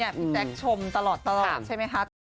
นี่มีแต๊กชมตลอดใช่ไหมคะ